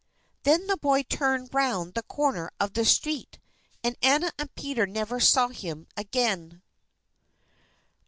Then the boy turned round the corner of the street, and Anna and Peter never saw him again.